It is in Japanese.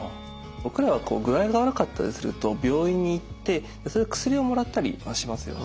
僕らは具合が悪かったりすると病院に行って薬をもらったりはしますよね。